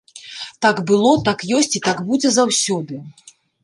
Так было, так ёсць і так будзе заўсёды!